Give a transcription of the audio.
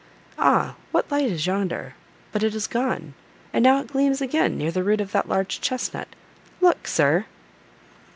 Ah! what light is yonder? But it is gone. And now it gleams again, near the root of that large chestnut: look, sir!"